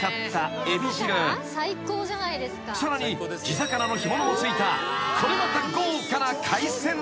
［さらに地魚の干物もついたこれまた豪華な海鮮定食］